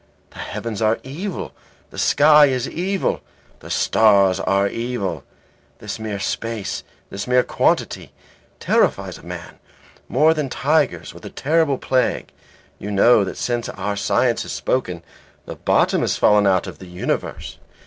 The heavens are evil, the sky is evil, the stars are evil. This mere space, this mere quantity, terrifies a man more than tigers or the terrible plague. You know that since our science has spoken, the bottom has fallen out of the Universe.